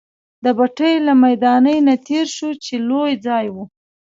د بټۍ له میدانۍ نه تېر شوو، چې لوی ځای وو.